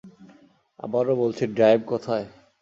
আবারো বলছি ড্রাইভ কোথায়?